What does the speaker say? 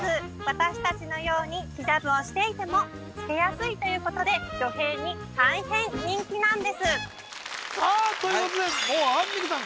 私達のようにヒジャブをしていてもつけやすいということで女性に大変人気なんですさあということでもうアンミカさん